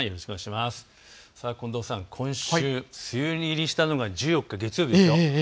近藤さん、今週梅雨入りしたのが１４日月曜日です。